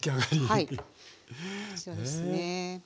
そうですね。